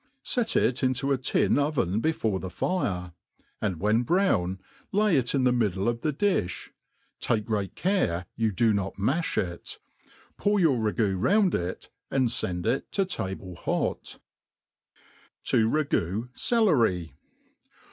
Set it into a tin oven before the fire ; and when brown, lay it in the middle of the difh (take great care you do not mafh it), pour your fagoo ro;^n4 it> ai)d fefid it to t^ble hot, Tq ragQo CeUrj.